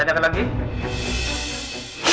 ada yang tanyakan lagi